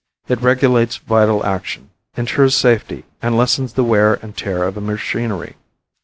It regulates vital action, insures safety and lessens the wear and tear of machinery.